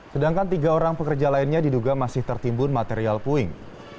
sedangkan tiga orang pekerja lainnya diduga masih tertimbun material puing